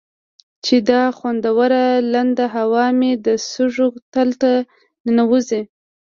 چې دا خوندوره لنده هوا مې د سږو تل ته ننوځي.